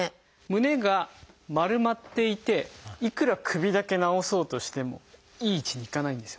胸が丸まっていていくら首だけ直そうとしてもいい位置にいかないんですよ。